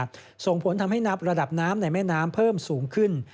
ส่งผลทำให้นับระดับน้ำในแม่น้ำเพิ่มสูงขึ้น